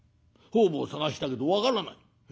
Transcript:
方々捜したけど分からない。